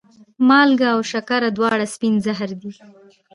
مالګه او شکره دواړه سپین زهر دي.